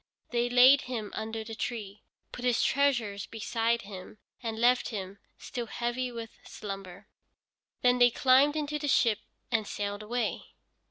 They laid him under the tree, put his treasures beside him, and left him, still heavy with slumber. Then they climbed into their ship and sailed away.